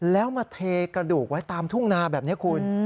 แล้วมาเทกระดูกไว้ตามทุ่งนาแบบนี้คุณ